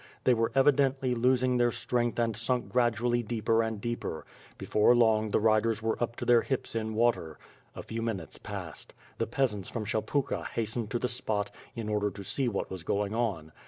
They were evidently losing their strength and sunk gradually deeper and deeper. Before long the riders were up to their hips in water. A few minutes passed. The peasants from Shelepukha hastened to the spot, in order to see what was going on.